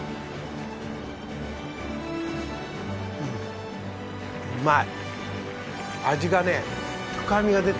うんうまい！